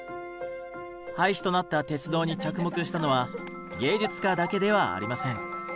廃止となった鉄道に着目したのは芸術家だけではありません。